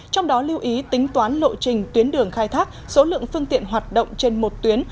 trong đó lưu ý tính toán lộ trình tuyến đường khai thác số lượng phương tiện hoạt động trên một tuyến